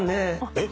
・えっ？